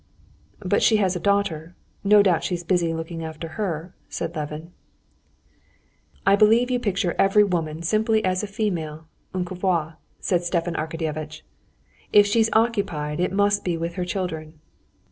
"But she has a daughter: no doubt she's busy looking after her?" said Levin. "I believe you picture every woman simply as a female, une couveuse," said Stepan Arkadyevitch. "If she's occupied, it must be with her children.